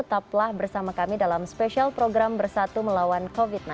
kami akan menunjukkan ke anda apa yang terjadi dalam program bersatu melawan covid sembilan belas